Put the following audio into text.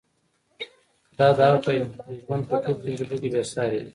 دا د هغه د ژوند په ټولو تجربو کې بې سارې وه.